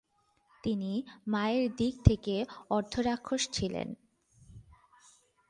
তিনি মায়ের দিক থেকে অর্ধ-রাক্ষস ছিলেন।